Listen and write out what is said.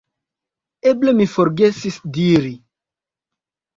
Eble mi forgesis diri.